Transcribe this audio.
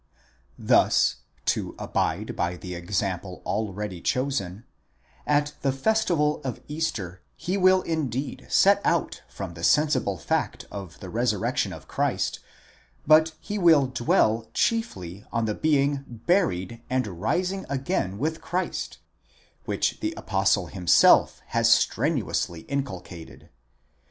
Thus, to abide by the example already chosen, at the festival of Easter, he will indeed set out from the sensible fact of the resurrection of Christ, but he will dwell chiefly on the being buried and rising again with Christ, which the Apostle himself has strenuously inculcated.